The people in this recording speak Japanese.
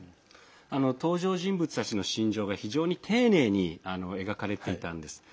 登場人物たちの心情が非常に丁寧に描かれていたんです。